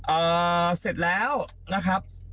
เอ่อเสร็จแล้วนะครับ